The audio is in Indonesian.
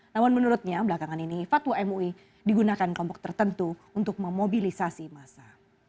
namun menurutnya belakangan ini fatwa mui digunakan kelompok tertentu untuk memobilisasi masa